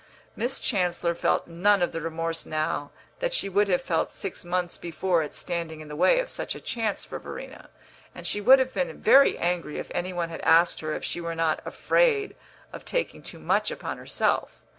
Miss Chancellor felt none of the remorse now that she would have felt six months before at standing in the way of such a chance for Verena, and she would have been very angry if any one had asked her if she were not afraid of taking too much upon herself.